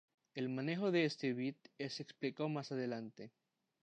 El manejo de este bit es explicado más adelante.